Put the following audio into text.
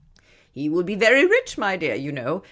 " He will be very rich, my dear, you know.